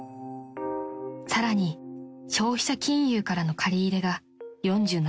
［さらに消費者金融からの借り入れが４７万円］